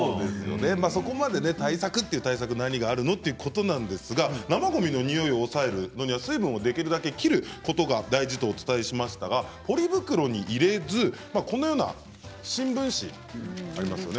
そこまで対策という対策は何があるの？ということなんですが生ごみのニオイを抑えるには水分できるだけ切ることが大事とお伝えしましたがポリ袋に入れずこのような新聞紙がありますよね。